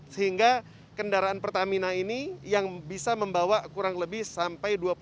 sehingga kendaraan pertamina ini yang bisa membawa kurang lebih sampai dua puluh